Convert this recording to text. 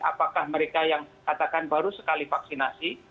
apakah mereka yang katakan baru sekali vaksinasi